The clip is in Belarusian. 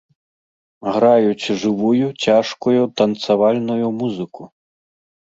Граюць жывую цяжкую танцавальную музыку.